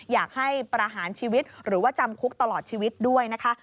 อยากให้ประหารชีวิตหรือว่าจำคุกตลอดชีวิตด้วยนะคะ